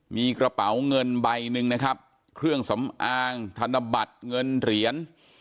มีกระเป๋าเงินใบหนึ่งนะครับเครื่องสำอางธนบัตรเงินเหรียญ